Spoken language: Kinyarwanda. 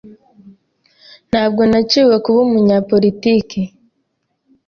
Ntabwo naciwe kuba umunyapolitiki.